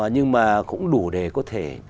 nhưng mà cũng đủ để có thể